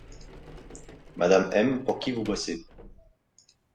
Madame M, pour qui vous bossez ?